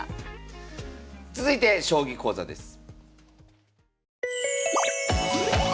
続いて将棋講座です。